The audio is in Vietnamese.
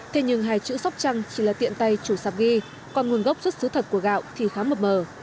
thế nhưng hai chữ sóc trăng chỉ là tiện tay chủ sạp ghi còn nguồn gốc xuất xứ thật của gạo thì khá mập mờ